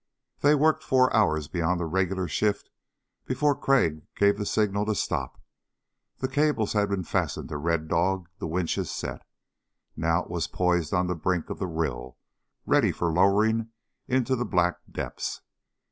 They worked four hours beyond the regular shift before Crag gave the signal to stop. The cables had been fastened to Red Dog the winches set. Now it was poised on the brink of the rill, ready for lowering into the black depths.